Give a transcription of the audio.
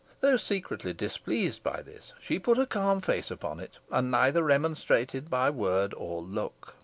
Though secretly displeased by this, she put a calm face upon it, and neither remonstrated by word or look.